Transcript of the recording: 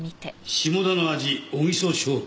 「下田の味小木曽商店」か。